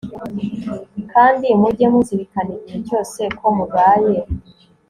kandi mujye muzirikana igihe cyose ko mubaye